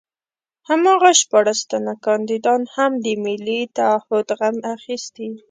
هماغه شپاړس تنه کاندیدان هم د ملي تعهُد غم اخیستي.